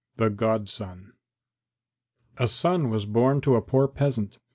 ] THE GODSON I A son was born to a poor peasant.